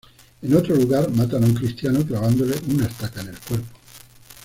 En otro lugar, matan a un cristiano clavándole una estaca en el cuerpo.